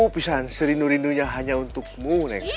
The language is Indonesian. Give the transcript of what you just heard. bisa serindu rindunya hanya untukmu nek sri